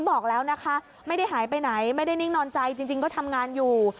บอกแล้วนะคะไม่ได้หายไปไหนไม่ได้นิ่งนอนใจจริงก็ทำงานอยู่